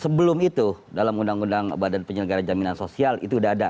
sebelum itu dalam undang undang badan penyelenggara jaminan sosial itu sudah ada